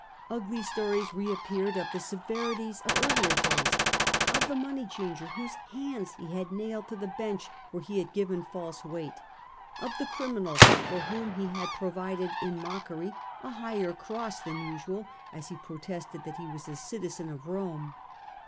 Ugly stories reappeared of the severities of earlier days — of the money changer whose hands he had nailed to the bench where he had given false weight, of the criminal for whom he had provided in mockery a higher cross than usual, a«; he protested that he was a citizen of Rome.